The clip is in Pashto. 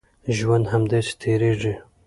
ژوند همداسې تېرېږي.